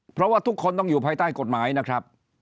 เพราะว่าทุกคนต้องอยู่ภายใต้กฎหมายนะครับ